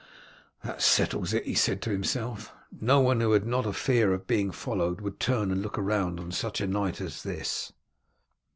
"That settles it," he said to himself. "No one who had not a fear of being followed would turn and look round on such a night as this."